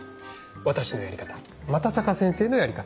私のやり方又坂先生のやり方